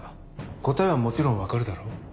答えはもちろん分かるだろ。